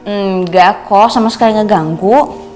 enggak kok sama sekaliannya ganggu